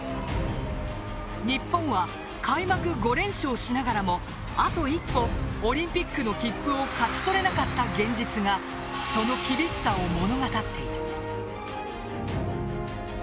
日本は開幕５連勝しながらもあと一歩、オリンピックの切符を勝ち取れなかった現実がその厳しさを物語っている。